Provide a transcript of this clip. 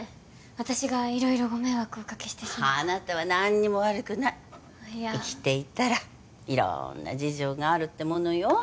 私が色々ご迷惑をおかけしてしまってあなたは何にも悪くないいや生きていたら色んな事情があるってものよ